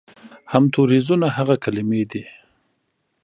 همتوریزونه هغه کلمې دي